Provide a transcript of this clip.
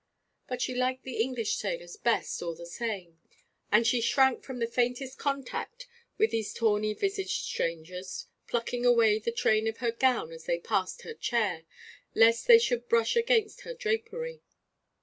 But she liked the English sailors best, all the same; and she shrank from the faintest contact with these tawny visaged strangers, plucking away the train of her gown as they passed her chair, lest they should brush against her drapery.